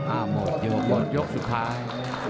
อ้าวหมดยกหมดยกสุดท้าย